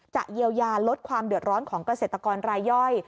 จะเยียวยาลดความเดือดร้อนของเกษตรกรรายย่อย